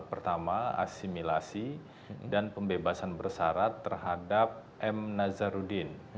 pertama asimilasi dan pembebasan bersyarat terhadap m nazaruddin